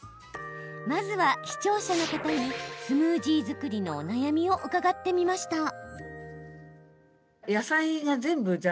まずは、視聴者の方にスムージー作りのお悩みを伺ってみました。